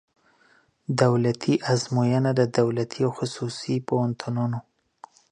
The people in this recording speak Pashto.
دولتي آزموینه د دولتي او خصوصي پوهنتونونو